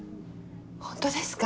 本当ですか？